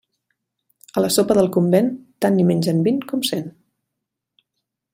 A la sopa del convent tant n'hi mengen vint com cent.